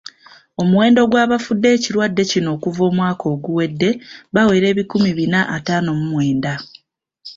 Omuwendo gw’abafudde ekirwadde kino okuva omwaka oguwedde bawera ebikumi bina ataano mu mwenda.